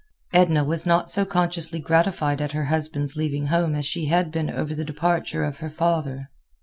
Edna was not so consciously gratified at her husband's leaving home as she had been over the departure of her father.